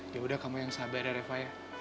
yaudah kamu yang sabar ya reva ya